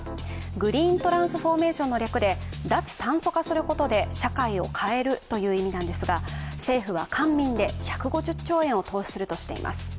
グリーントランスフォーメーションの略で、脱炭素化することで社会を変えるという意味なんですが、政府は官民で１５０兆円を投資するとしています。